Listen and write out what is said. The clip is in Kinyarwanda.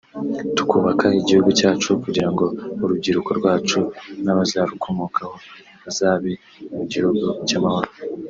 tukubaka igihugu cyacu kugira ngo urubyiruko rwacu n’abazarukomokaho bazabe mu gihugu cy’amahoro